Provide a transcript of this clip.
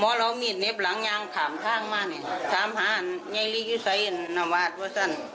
เมื่อเรามีเน็บหลังยางขามข้างมาเนี่ยถามหาไงลี่อยู่ใส่น้ำวาดว่ะสัน